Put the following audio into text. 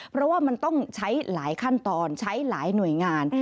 เพราะว่ามันต้องใช้หลายขั้นตอนใช้หลายหน่วยงาน